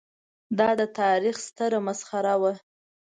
دا د تاریخ ستره مسخره وه.